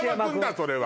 それは！